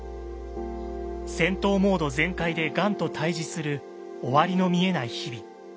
戦闘モード全開でがんと対じする終わりの見えない日々。